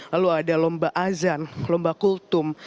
lalu ada lomba azan lomba kultum